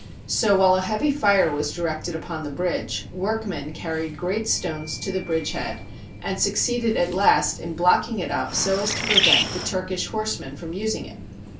So, while a heavy fire was directed upon the bridge, workmen carried great stones to the bridge head and succeeded at last in blocking it up so as to prevent the Turkish horsemen from using it.